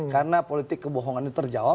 karena politik kebohongannya terjawab